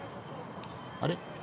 あれ？